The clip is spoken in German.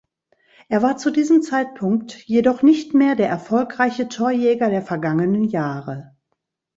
Er war zu diesem Zeitpunkt jedoch nicht mehr der erfolgreiche Torjäger der vergangenen Jahre.